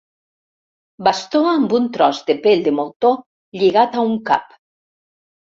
Bastó amb un tros de pell de moltó lligat a un cap.